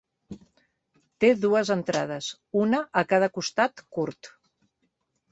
Té dues entrades, una a cada costat curt.